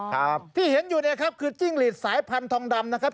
ครับที่เห็นอยู่เนี่ยครับคือจิ้งหลีดสายพันธองดำนะครับ